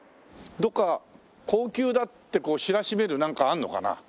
どっか高級だって知らしめるなんかあんのかな？